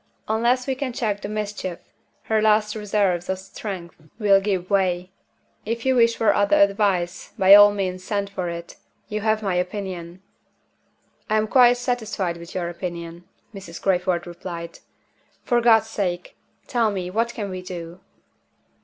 Unless we can check the mischief, her last reserves of strength will give way. If you wish for other advice, by all means send for it. You have my opinion." "I am quite satisfied with your opinion," Mrs. Crayford replied. "For God's sake, tell me, what can we do?"